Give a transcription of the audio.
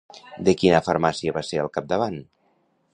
De quina farmàcia va ser al capdavant?